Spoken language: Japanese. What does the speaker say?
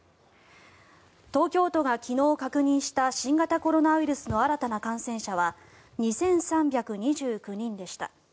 東京都が昨日確認した新型コロナウイルスの新たな感染者は２３２９人でした。